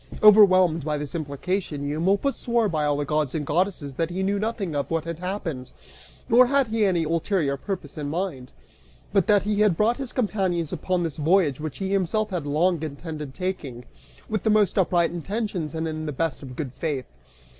Overwhelmed by this implication, Eumolpus swore by all the gods and goddesses that he knew nothing of what had happened, nor had he had any ulterior purpose in mind, but that he had brought his companions upon this voyage which he himself had long intended taking, with the most upright intentions and in the best of good faith.